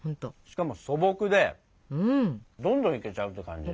しかも素朴でどんどんいけちゃうって感じ。